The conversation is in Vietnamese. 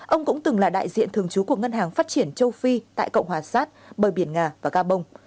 ông cũng từng là đại diện thường trú của ngân hàng phát triển châu phi tại cộng hòa sát bờ biển nga và gabon